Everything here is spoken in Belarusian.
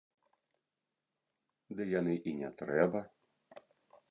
Ды яны і не трэба.